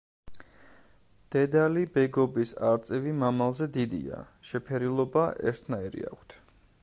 დედალი ბეგობის არწივი მამალზე დიდია; შეფერილობა ერთნაირი აქვთ.